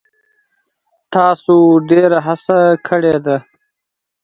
تاسو ډیره هڅه کړې ده.